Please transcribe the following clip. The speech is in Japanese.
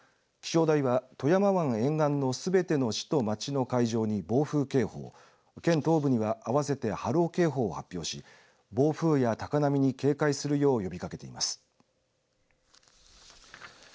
気象台は富山湾沿岸のすべての市と町の海上に暴風警報県東部には合わせて波浪警報を発表し暴風や高波に警戒するよう呼びかけています。